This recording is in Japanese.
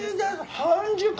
半熟！